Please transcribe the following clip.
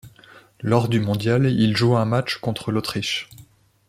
Lors du mondial, il joue un match contre l'Autriche.